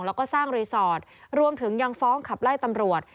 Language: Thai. แล้วก็สร้างรีสอร์ทรวมถึงยังฟ้องขับไล่ตำรวจ